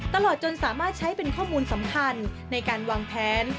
ตลอดจนสามารถใช้เป็นข้อมูลสำคัญในการวางแผน